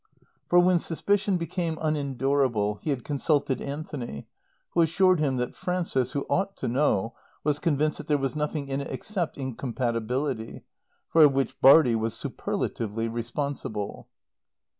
For when suspicion became unendurable he had consulted Anthony who assured him that Frances, who ought to know, was convinced that there was nothing in it except incompatibility, for which Bartie was superlatively responsible.